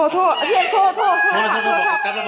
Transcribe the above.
โทรพี่งานโทรโทรซัพ